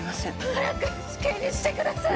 早く死刑にしてください！